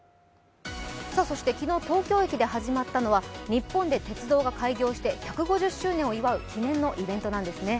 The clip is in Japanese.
昨日東京駅で始まったのは日本で鉄道が開業して１５０周年を祝う記念のイベントなんですね。